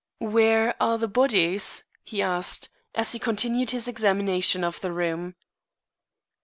"Where are the bodies?" he asked, as he continued his examination of the room.